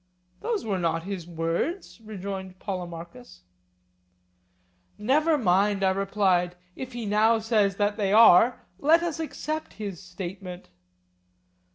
Those were not his words, rejoined Polemarchus. Never mind, I replied, if he now says that they are, let us accept his statement.